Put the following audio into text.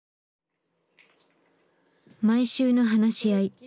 毎週の話し合い。